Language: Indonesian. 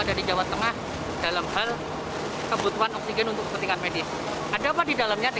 dari jawa tengah dalam hal kebutuhan oksigen untuk kepentingan medis ada apa di dalamnya di